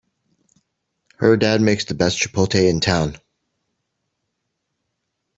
Her dad makes the best chipotle in town!